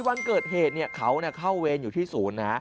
วันเกิดเหตุเขาเข้าเวรอยู่ที่ศูนย์นะ